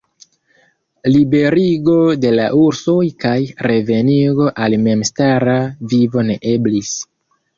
Liberigo de la ursoj kaj revenigo al memstara vivo ne eblis.